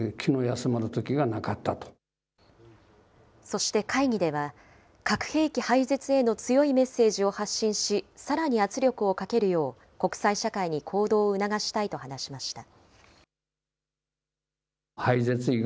そして会議では、核兵器廃絶への強いメッセージを発信し、さらに圧力をかけるよう、国際社会に行動を促したいと話しました。